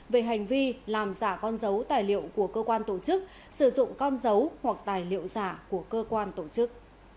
về hành vi làm giả con dấu tài liệu của cơ quan tổ chức sử dụng con dấu hoặc tài liệu giả của cơ quan tổ chức